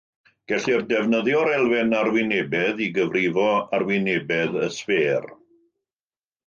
Gellir defnyddio'r elfen arwynebedd i gyfrifo arwynebedd y sffêr.